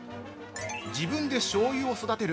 ◆自分でしょうゆを育てる